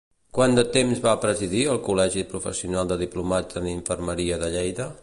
Quant de temps va presidir el Col·legi Professional de Diplomats en Infermeria de Lleida?